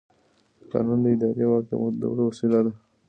قانون د اداري واک د محدودولو وسیله ده.